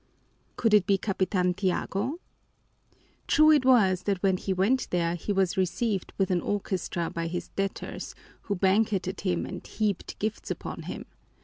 Could it be Capitan Tiago? True it was that when he went there he was received with an orchestra by his debtors, who banqueted him and heaped gifts upon him.